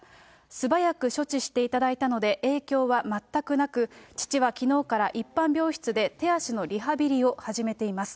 素早く処置していただいたので、影響は全くなく、父はきのうから一般病室で手足のリハビリを始めています。